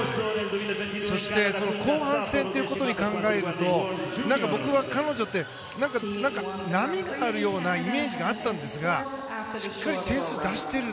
そして後半戦ということで考えると僕は彼女って波があるようなイメージがあったんですがしっかり点数を出している。